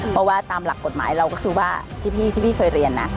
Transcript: เพราะว่าตามหลักกฎหมายเราก็คือว่าที่พี่เคยเรียนนะ